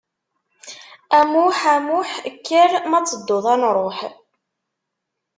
A Muḥ, a Muḥ, kker ma ad tedduḍ ad nruḥ.